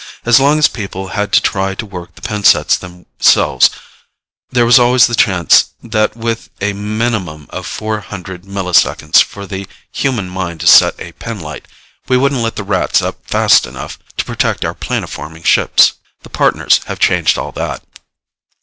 As long as people had to try to work the pin sets themselves, there was always the chance that with a minimum of four hundred milliseconds for the human mind to set a pinlight, we wouldn't light the Rats up fast enough to protect our planoforming ships. The Partners have changed all that.